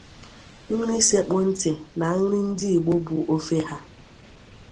Nri sekpụ ntị na nri ndị igbo bụ ofe ha.